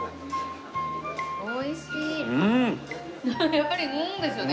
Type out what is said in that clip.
やっぱり「ん！」ですよね？